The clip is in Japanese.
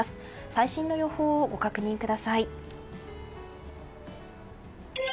最新の予報をご確認ください。